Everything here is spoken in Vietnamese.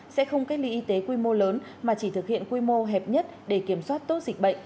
sẽ không cách ly y tế quy mô lớn mà chỉ thực hiện quy mô hẹp nhất để kiểm soát tốt dịch bệnh